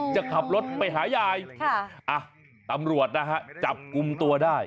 จะขับรถไปหายายตำรวจนะฮะจับกลุ่มตัวได้